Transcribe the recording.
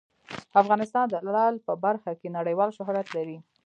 افغانستان د لعل په برخه کې نړیوال شهرت لري.